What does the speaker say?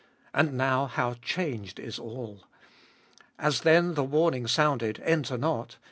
And now, how changed is all ! As then the warning sounded : Enter not